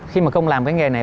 khi mà không làm cái nghề này